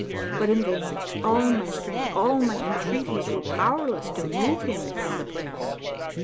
But in vain. All my strength, all my entreaties, were powerless to move him from the place.